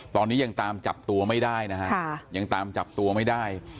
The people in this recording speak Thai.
ตอนนี้ยังตามจับตัวไม่ได้นะฮะยังตามจับตัวไม่ได้